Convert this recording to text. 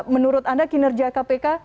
menurut anda kinerja kpk